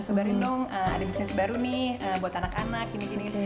sobat rindong ada bisnis baru nih buat anak anak kini kini